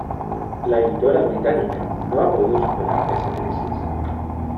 La editora británica no ha podido superar esa crisis.